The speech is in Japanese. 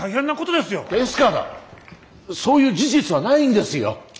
ですからそういう事実はないんですよ！